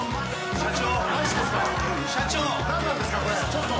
社長！